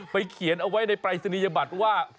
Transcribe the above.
เขียนเอาไว้ในปรายศนียบัตรว่า